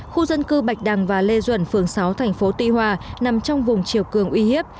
khu dân cư bạch đằng và lê duẩn phường sáu thành phố tuy hòa nằm trong vùng chiều cường uy hiếp